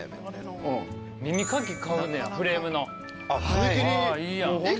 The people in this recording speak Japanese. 耳かき買うんねやフレームの。